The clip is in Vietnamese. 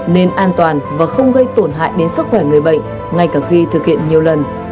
nên an toàn và không gây tổn hại đến sức khỏe người bệnh ngay cả khi thực hiện nhiều lần